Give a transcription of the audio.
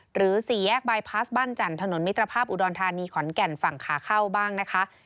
สี่แยกบายพลาสบ้านจันทร์ถนนมิตรภาพอุดรธานีขอนแก่นฝั่งขาเข้าบ้างนะคะ